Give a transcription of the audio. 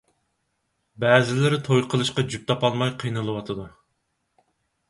بەزىلىرى توي قىلىشقا جۈپ تاپالماي قىينىلىۋاتىدۇ.